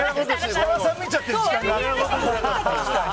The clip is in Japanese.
設楽さん見ちゃってる時間があった。